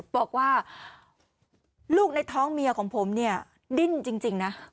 บอกว่าลูกในท้องเมียของผมเนี่ยดิ้นจริงนะ